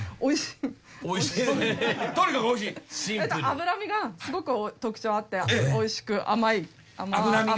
脂身がすごく特徴あっておいしく甘い。